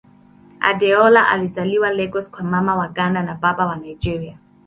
Adeola alizaliwa Lagos kwa Mama wa Ghana na Baba wa Nigeria.